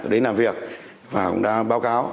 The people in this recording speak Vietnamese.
đến làm việc và cũng đã báo cáo